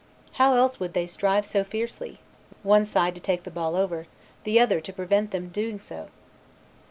How else would they strive so fiercely, one side to take the ball over, the other to prevent them doing so!